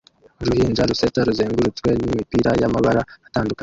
Uruhinja rusetsa ruzengurutswe n'imipira y'amabara atandukanye